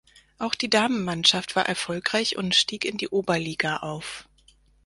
Auch die Damenmannschaft war erfolgreich und stieg in die Oberliga auf.